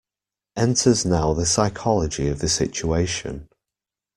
Enters now the psychology of the situation.